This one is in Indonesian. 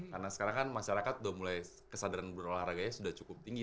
karena sekarang kan masyarakat udah mulai kesadaran berolahraga nya sudah cukup tinggi